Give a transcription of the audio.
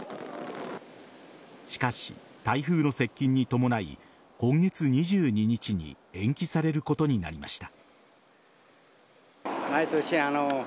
しかし、台風の接近に伴い今月２２日に延期されることになりました。